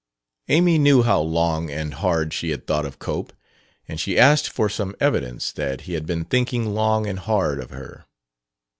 Amy knew how long and hard she had thought of Cope, and she asked for some evidence that he had been thinking long and hard of her.